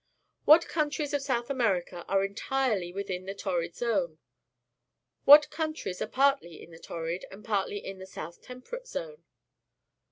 What countries of South America arc entirely within the Torrid Zone? What countries are partly in the Torrid and partly in the South Temperate Zone?